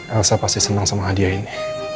saya pasti senang sama hadiah ini